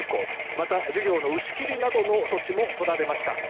また授業の打ち切りなどの措置も取られました。